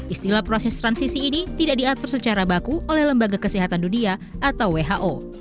istilah proses transisi ini tidak diatur secara baku oleh lembaga kesehatan dunia atau who